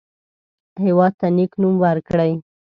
هېواد ته نیک نوم ورکړئ